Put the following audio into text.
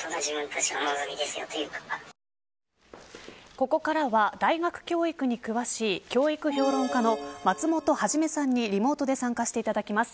ここからは、大学教育に詳しい教育評論家の松本肇さんにリモートで参加していただきます。